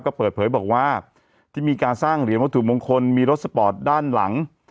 ก็เปิดเผยบอกว่าที่มีการสร้างเหรียญวัตถุมงคลมีรถสปอร์ตด้านหลัง